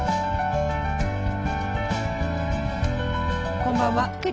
こんばんは。